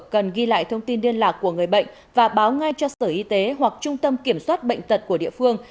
cần ghi lại thông tin liên lạc của người bệnh và báo ngay cho sở y tế hoặc trung tâm kiểm soát bệnh tật của địa phương